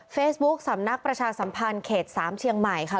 เฟซบุ๊กสำนักประชาสัมพันธ์เขตสามเชียงใหม่ค่ะ